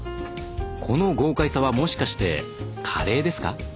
この豪快さはもしかしてカレーですか？